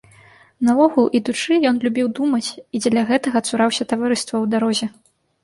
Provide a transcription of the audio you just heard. Наогул, ідучы, ён любіў думаць і дзеля гэтага цураўся таварыства ў дарозе.